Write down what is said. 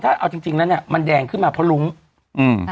ถ้าเอาจริงจริงแล้วเนี้ยมันแดงขึ้นมาเพราะลุ้งอืม